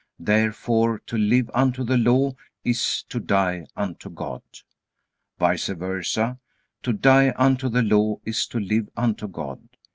Therefore to live unto the Law is to die unto God. Vice versa, to die unto the Law is to live unto God.